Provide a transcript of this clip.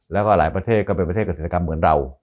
แล้วก็หลายประเทศก็เป็นประเทศเกษตรกรรมเหมือนเรา